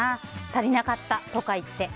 足りなかったとか言って。